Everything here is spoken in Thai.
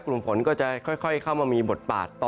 กลุ่มฝนก็จะค่อยเข้ามามีบทบาทต่อ